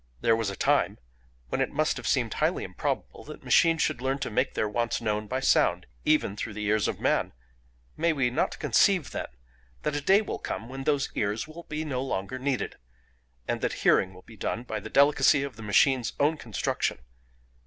There was a time when it must have seemed highly improbable that machines should learn to make their wants known by sound, even through the ears of man; may we not conceive, then, that a day will come when those ears will be no longer needed, and the hearing will be done by the delicacy of the machine's own construction?